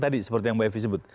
tadi seperti yang mbak evi sebut